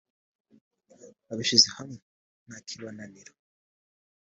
abishyize hamwe ntakibananira